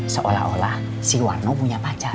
seolah olah si warno punya pacar